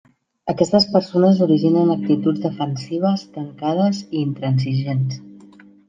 Aquestes persones originen actituds defensives, tancades i intransigents.